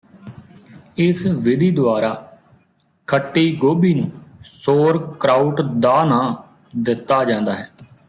ਇਸ ਵਿਧੀ ਦੁਆਰਾ ਖੱਟੀ ਗੋਭੀ ਨੂੰ ਸੋਰ ਕਰਾਊਟ ਦਾ ਨਾਂਅ ਦਿੱਤਾ ਜਾਂਦਾ ਹੈ